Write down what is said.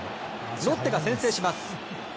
ロッテが先制します。